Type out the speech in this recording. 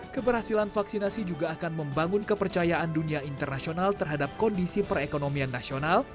keberhasilan vaksinasi juga akan membangun kepercayaan dunia internasional terhadap kondisi perekonomian nasional